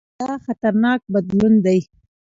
دا خطرناک بدلون دی.